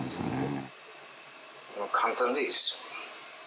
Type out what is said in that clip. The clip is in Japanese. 簡単でいいですよ。